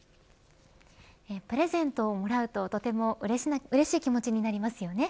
プレゼントをもらうと、とてもうれしい気持ちになりますよね。